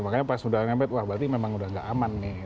makanya pas udah nempet wah berarti memang udah gak aman nih